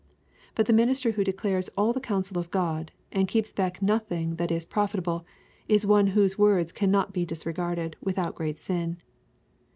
But the minister who declares all the counsel of Gk)d, and keeps back nothing that is profitable, is one whose words cannot be disregarded without great sin.